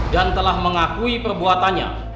dan telah mengakui perbuatannya